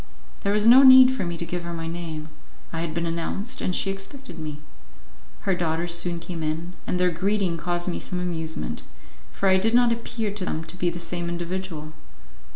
There was no need for me to give her my name; I had been announced, and she expected me. Her daughters soon came in, and their greeting caused me some amusement, for I did not appear to them to be the same individual.